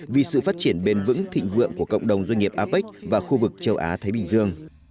vì sự phát triển bền vững thịnh vượng của cộng đồng doanh nghiệp apec và khu vực châu á thái bình dương